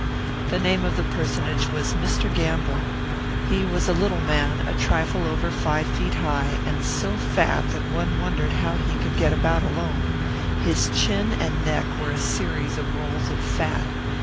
The name of the personage was Mr. Gamble. He was a little man, a trifle over five feet high, and so fat that one wondered how he could get about alone; his chin and neck were a series of rolls of fat.